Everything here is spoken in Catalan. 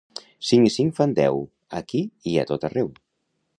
Cinc i cinc fan deu, aquí i a tot arreu.